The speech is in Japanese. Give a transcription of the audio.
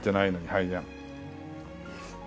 はいじゃあ。